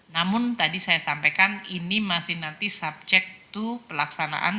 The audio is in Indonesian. namun tadi saya sampaikan ini masih nanti subject to pelaksanaan